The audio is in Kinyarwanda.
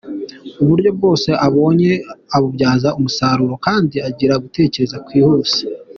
Uburyo bwose abonye abubyaza umusaruro kandi agira gutekereza kwihuse.